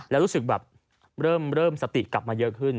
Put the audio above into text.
แล้วรู้สึกแบบเริ่มสติกลับมาเยอะขึ้น